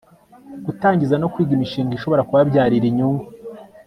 gutangiza no kwiga imishinga ishobora kubabyrira inyungu